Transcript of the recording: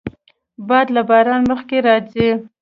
باد له باران مخکې راځي